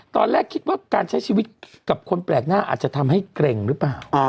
ตอนแรกคิดว่าการใช้ชีวิตกับคนแปลกหน้าอาจจะทำให้เกร็งหรือเปล่า